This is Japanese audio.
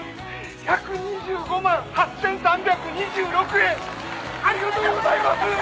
「１２５万８３２６円ありがとうございます」